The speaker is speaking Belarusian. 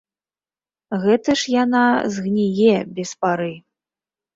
Гэта ж яна згніе без пары.